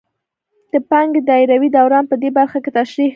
د پانګې دایروي دوران په دې برخه کې تشریح کوو